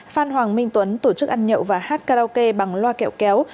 phan hoàng minh tuấn tổ chức ăn nhậu và hát karaoke bằng loa kẹo kéo